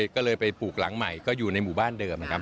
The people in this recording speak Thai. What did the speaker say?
ก็เลยไปปลูกหลังใหม่ก็อยู่ในหมู่บ้านเดิมนะครับ